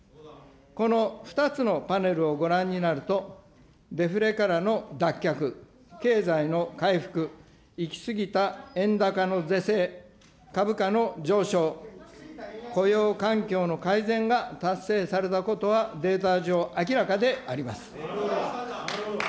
この２つのパネルをご覧になると、デフレからの脱却、経済の回復、行き過ぎた円高の是正、株価の上昇、雇用環境の改善が達成されたことはデータ上、明らかであります。